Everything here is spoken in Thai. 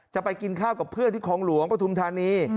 จะไปกินข้าวกับเพื่อนที่คลองหลวงปฐุมธานี